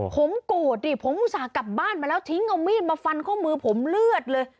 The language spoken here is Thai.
ผมโกรธดิผมอุตส่าห์กลับบ้านมาแล้วทิ้งเอามีดมาฟันข้อมือผมเลือดเลย